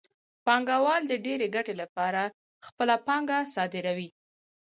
پانګوال د ډېرې ګټې لپاره خپله پانګه صادروي